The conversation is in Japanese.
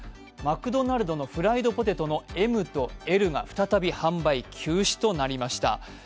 マクドナルドのフライドポテトのＭとＬが再び販売休止となりました。